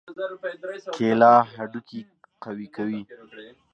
کېله هډوکي قوي کوي.